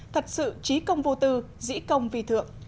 thật sự trí công vô tư dĩ công vì thượng